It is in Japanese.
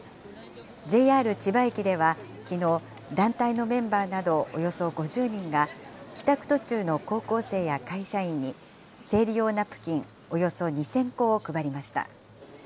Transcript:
ＪＲ千葉駅では、きのう、団体のメンバーなどおよそ５０人が、帰宅途中の高校生や会社員に、生理用ナプキンおよそ２０００個を配りました。